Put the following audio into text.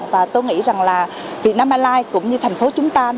và tôi nghĩ rằng là việt nam airlines cũng như thành phố chúng ta